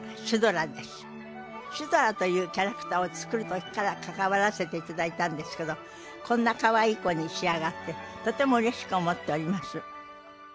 シュドラというキャラクターを作る時から関わらせていただいたんですけどこんなかわいい子に仕上がってとてもうれしく思っております。